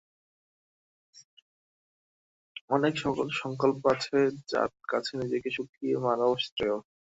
অনেক সংকল্প আছে যার কাছে নিজেকে শুকিয়ে মারাও শ্রেয়।